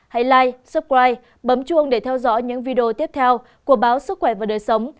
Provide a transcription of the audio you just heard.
hãy like subscribe bấm chuông để theo dõi những video tiếp theo của báo sức khỏe và đời sống